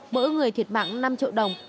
mỗi người thiệt mạng năm triệu đồng